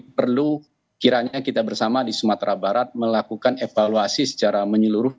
perlu kiranya kita bersama di sumatera barat melakukan evaluasi secara menyeluruh